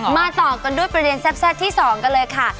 มาต่อกันด้วยประเด็นแซ่บที่๒กันเลยค่ะ